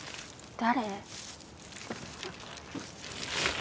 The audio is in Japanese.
誰？